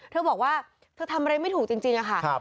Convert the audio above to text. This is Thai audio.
เธอบอกว่าเธอทำอะไรไม่ถูกจริงค่ะ